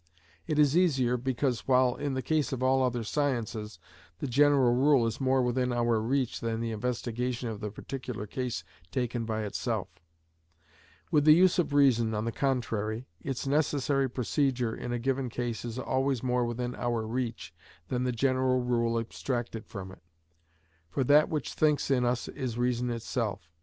It is easier, because, while in the case of all other sciences, the general rule is more within our reach than the investigation of the particular case taken by itself; with the use of reason, on the contrary, its necessary procedure in a given case is always more within our reach than the general rule abstracted from it; for that which thinks in us is reason itself.